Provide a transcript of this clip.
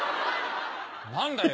何だよ？